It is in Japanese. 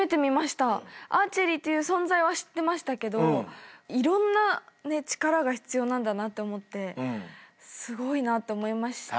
アーチェリーっていう存在は知ってましたけどいろんな力が必要なんだなって思ってすごいなって思いましたね。